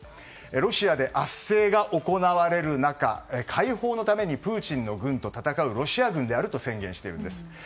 ロシアで圧政が行われる中解放のためにプーチンの軍と戦うロシア軍であると宣言しているんです。